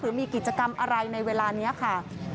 หรือมีกิจกรรมอะไรในเวลานี้ค่ะ